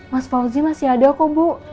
mas fauzi masih ada kok bu